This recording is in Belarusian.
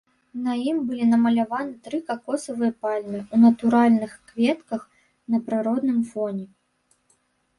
На ім былі намаляваны тры какосавыя пальмы ў натуральных кветках на прыродным фоне.